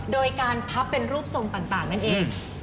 โดยการพับเป็นรูปทรงต่างนั่นเอง